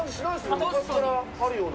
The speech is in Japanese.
昔からあるような。